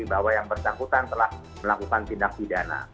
bahwa yang bersangkutan telah melakukan tindak pidana